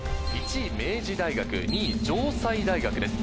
１位明治大学、２位、城西大学です。